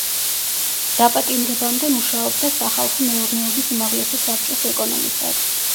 დაპატიმრებამდე მუშაობდა სახალხო მეურნეობის უმაღლესი საბჭოს ეკონომისტად.